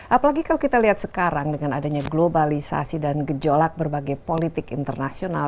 apalagi kalau kita lihat sekarang dengan adanya globalisasi dan gejolak berbagai politik internasional